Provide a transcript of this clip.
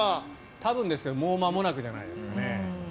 多分ですけどもうまもなくじゃないですかね。